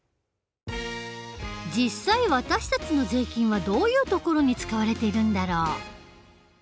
実際私たちの税金はどういうところに使われているんだろう？